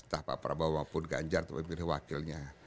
entah pak prabowo apapun ganjar atau pilih wakilnya